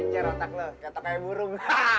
ngerotak lo kata kayak burung